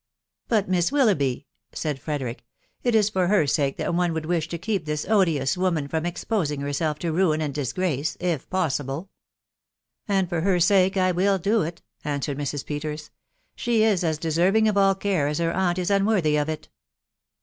" But Miss Willoughby !".... said Frederick; » it is for her sake that one would wish to keep this odious woman from exposing herself to ruin and disgrace, if possible." "And for her sake I will do it," answered Mrs. Peters. "She is as deserving of all care as her aunt is unworthy of it."